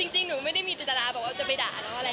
จริงหนูไม่ได้มีจิตนาบอกว่าจะไปด่าน้องอะไร